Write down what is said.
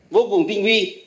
vô cùng tinh vi